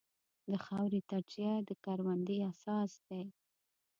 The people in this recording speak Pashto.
د خاورې تجزیه د کروندې اساس دی.